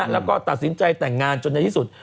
แล้วก็ตัดสินใจแต่งงานจนในที่สุด